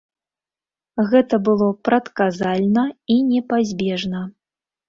Гэта было прадказальна і непазбежна.